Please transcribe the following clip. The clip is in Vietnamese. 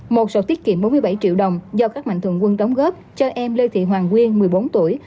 một sổ tiết kiệm bốn mươi bảy triệu đồng do các mạnh thường quân đóng góp cho em lê thị hoàng nguyên một mươi bốn tuổi